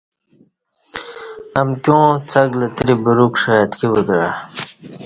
امکیاں څک لتری برُوکݜہ اتکی وُتعہ